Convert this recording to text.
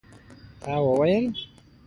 تا وویل?